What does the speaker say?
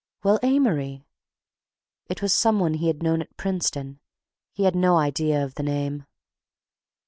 "Well, Amory..." It was some one he had known at Princeton; he had no idea of the name.